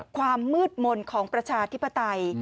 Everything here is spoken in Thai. ความมืดมนต์ของประชาธิปไตย